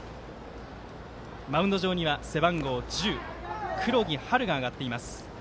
マウンド上には背番号１０、黒木陽琉が上がっています。